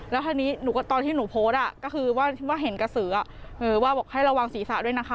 แล้วทีนี้ตอนที่หนูโพสต์ก็คือว่าเห็นกระสือว่าบอกให้ระวังศีรษะด้วยนะคะ